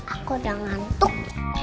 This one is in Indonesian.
aku udah ngantuk